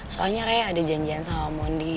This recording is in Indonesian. soalnya raya ada janjian sama mondi